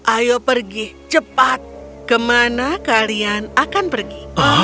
ayo pergi cepat kemana kalian akan pergi